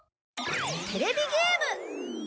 テレビゲーム！